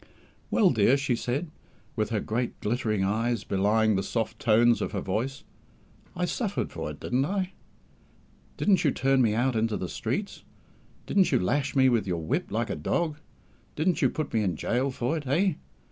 "Well, dear," said she, with her great glittering eyes belying the soft tones of her voice, "I suffered for it, didn't I? Didn't you turn me out into the streets? Didn't you lash me with your whip like a dog? Didn't you put me in gaol for it, eh?